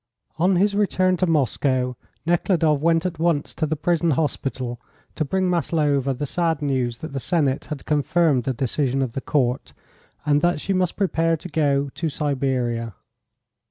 On his return to Moscow Nekhludoff went at once to the prison hospital to bring Maslova the sad news that the Senate had confirmed the decision of the Court, and that she must prepare to go to Siberia.